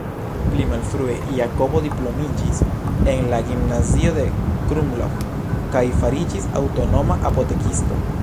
Pli malfrue Jakobo diplomiĝis en la Gimnazio de Krumlov kaj fariĝis aŭtonoma apotekisto.